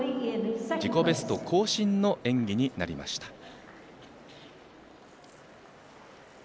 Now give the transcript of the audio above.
自己ベスト更新の演技になりました。